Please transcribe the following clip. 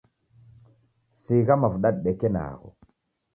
Sigha mavuda dideke nagho